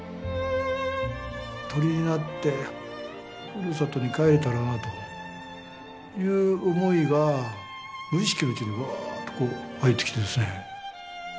鳥になってふるさとに帰れたらなという思いが無意識のうちにわっとこう湧いてきてですね。